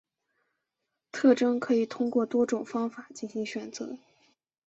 特征可以通过多种方法进行选择。